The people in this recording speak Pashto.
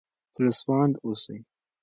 زړه سوانده اوسئ.